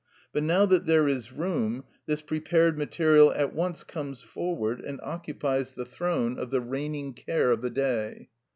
But now that there is room, this prepared material at once comes forward and occupies the throne of the reigning care of the day (πρυτανευουσα).